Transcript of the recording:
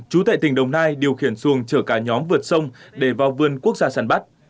chú tại tỉnh đồng nai điều khiển xuồng chở cả nhóm vượt sông để vào vườn quốc gia sản bắt